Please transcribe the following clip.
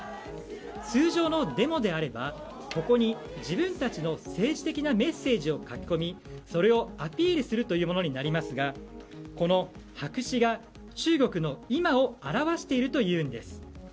通常のデモであればここに自分たちの政治的なメッセージを書き込みそれをアピールするものになりますがこの白紙が中国の今を現しているというんです。